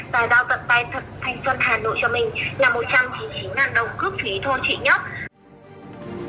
và giao tận tay thực thành phần hà nội cho mình là một trăm chín mươi chín đồng cướp phí thôi chị nhé